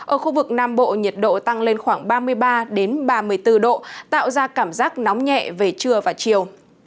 ở khu vực nam bộ nhiệt độ tăng lên khoảng ba mươi ba ba mươi bốn độ tạo ra cảm giác nóng nhẹ về trưa và chiều